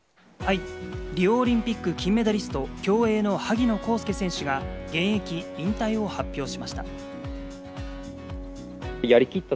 リオオリンピック金メダリスト、競泳の萩野公介選手が現役引退を発表しました。